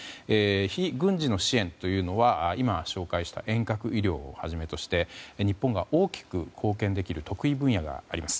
非軍事の支援というのは今紹介した遠隔医療をはじめとして日本が大きく貢献できる得意分野があります。